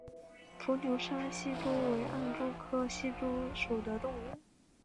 伏牛山隙蛛为暗蛛科隙蛛属的动物。